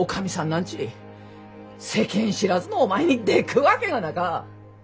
なんち世間知らずのお前にでくっわけがなか！